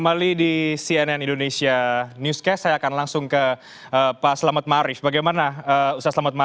gendanya dan merasa paling hebat